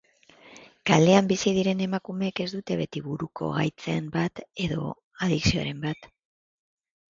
Kalean bizi diren emakumeek ez dute beti buruko gaitzen bat edo adikzioren bat.